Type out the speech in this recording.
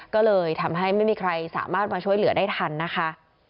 ก็เลยทำให้ไม่มีใครสามารถมาช่วยเหลือได้ทันนะคะ